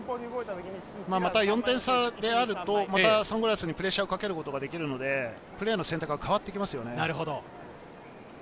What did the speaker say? また４点差であるとサンゴリアスにプレッシャーをかけることができるので、プレーの選択が変わってきますよね。